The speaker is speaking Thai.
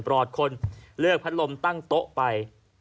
รอดคนเลือกพัดลมตั้งโต๊ะไป